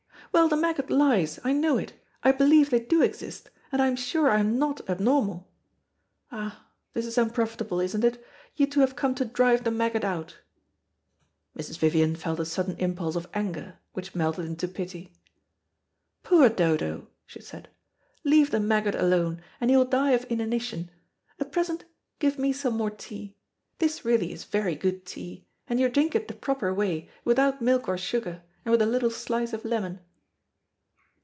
Well, the maggot lies, I know it, I believe they do exist, and I am sure I am not abnormal. Ah, this is unprofitable, isn't it. You two have come to drive the maggot out." Mrs. Vivian felt a sudden impulse of anger, which melted into pity. "Poor Dodo," she said, "leave the maggot alone, and he will die of inanition. At present give me some more tea. This really is very good tea, and you drink it the proper way, without milk or sugar, and with a little slice of lemon."